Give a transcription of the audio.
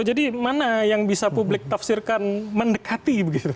jadi mana yang bisa publik tafsirkan mendekati begitu